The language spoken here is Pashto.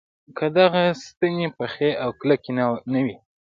که دغه ستنې پخې او کلکې نه وي.